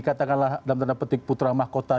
katakanlah dalam tanda petik putra mahkota